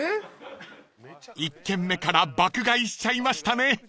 ［１軒目から爆買いしちゃいましたね］